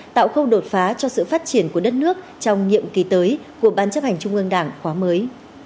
tạo khâu đột phá cho sự phát triển của đất nước trong nhiệm kỳ tới của ban chấp hành trung ương đảng khóa mới